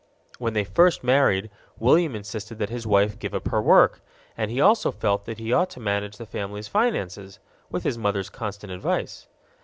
When they first married, William insisted that his wife give up her work, and he also felt that he ought to manage the family finances with his mother's constant advice.